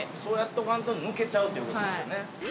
そうやっとかんと抜けちゃうっていうことですよね。